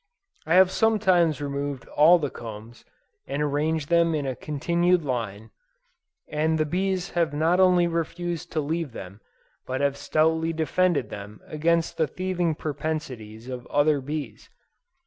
I have sometimes removed all the combs, and arranged them in a continued line, and the bees have not only refused to leave them, but have stoutly defended them against the thieving propensities of other bees.